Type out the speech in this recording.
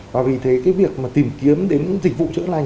và vì thế việc tìm kiếm đến dịch vụ chữa lành